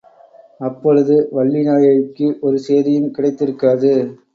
அப்பொழுது வள்ளிநாயகிக்கு ஒரு சேதியும் கிடைத்திருக்காது.